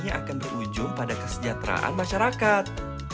yang akan berujung pada kesejahteraan masyarakat